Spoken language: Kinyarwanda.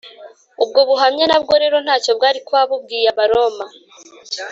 ubwo buhamya nabwo rero ntacyo bwari kuba bubwiye abaroma